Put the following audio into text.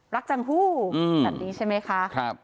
จังหู้แบบนี้ใช่ไหมคะ